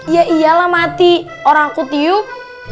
ya iyalah mati orang aku tiup